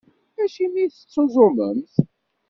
Acimi i tettuẓumemt?